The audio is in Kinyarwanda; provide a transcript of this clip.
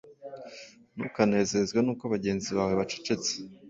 Ntukanezezwe nuko bagenzi bawe bacecetse